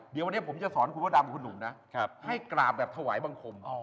เดี๋ยววันนี้ผมจะสอนคุณพ่อดำคุณหนุ่มนะให้กราบแบบถวายบังคม